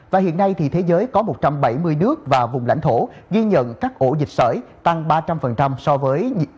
và hiện nay thì thế giới có một trăm bảy mươi nước và vùng lãnh thổ ghi nhận các ổ dịch sởi tăng ba trăm linh so với